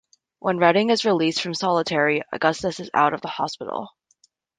When Redding is released from solitary, Augustus is out of the hospital.